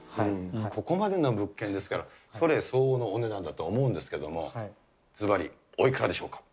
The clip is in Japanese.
ここまでの物件ですから、それ相応のお値段だとは思うんですけれども、ずばり、おいくらでしょうか。